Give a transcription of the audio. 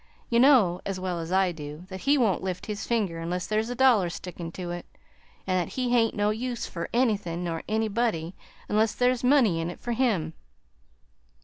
You know as well as I do that he won't lift his finger unless there's a dollar stickin' to it, an' that he hain't no use fur anythin' nor anybody unless there's money in it for him.